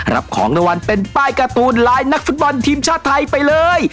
รับของรางวัลเป็นป้ายการ์ตูนลายนักฟุตบอลทีมชาติไทยไปเลย